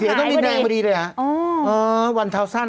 รถมันเสียลงมาปั๊บ